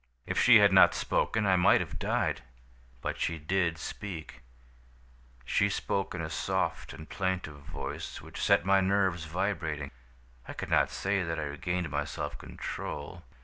"If she had not spoken, I might have died. But she did speak; she spoke in a soft and plaintive voice which set my nerves vibrating. I could not say that I regained my self control.